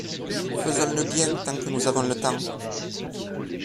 Faisons le bien tant que nous avons le temps.